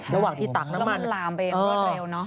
ระหว่างที่ตามน้ำมันแล้วก็มันลามไปเร็วเนอะ